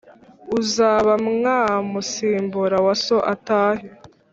uzaba wamusimbura wa so atahe "